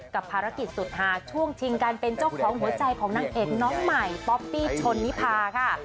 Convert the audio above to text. กับภารกิจสุดหาช่วงชิงการเป็นเจ้าของหัวใจของนางเอกน้องใหม่ป๊อปปี้ชนนิพาค่ะ